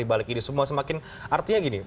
balik ini semua semakin artinya gini